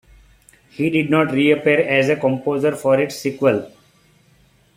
He did not reappear as a composer for its sequel.